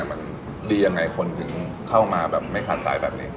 มันดียังไงคนถึงเข้ามาแบบไม่ขาดสายแบบนี้